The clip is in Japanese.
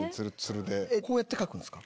こうやって描くんすか？